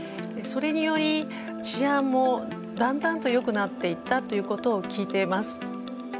それにより治安もだんだんとよくなっていったということを聞いています。